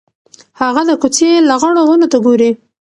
هغه د کوڅې لغړو ونو ته ګوري.